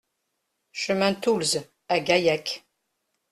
Chemin Toulze à Gaillac